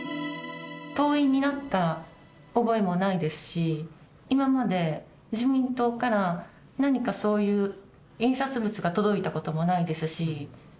党員になった覚えもないですし、今まで自民党から、何かそういう印刷物が届いたこともないですし。